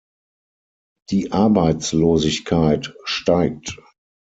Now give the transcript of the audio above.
Die Arbeitslosigkeit steigt.